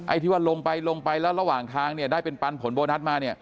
ไอ้ที่ว่าลงไปลงไปแล้วระหว่างทางได้เป็นปันผลโบนัสมา